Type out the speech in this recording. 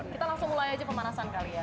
kita langsung mulai aja pemanasan kali ya